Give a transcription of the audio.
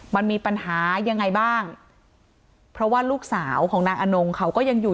มันมีปัญหายังไงบ้างเพราะว่าลูกสาวของนางอนงเขาก็ยังอยู่